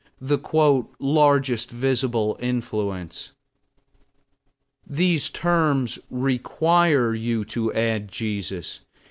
The "largest visible influence." These terms require you to add Jesus.